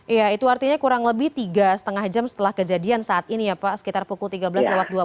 iya itu artinya kurang lebih tiga lima jam setelah kejadian saat ini ya pak sekitar pukul tiga belas lewat dua puluh